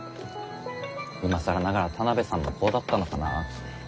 今更ながら田邊さんもこうだったのかなって。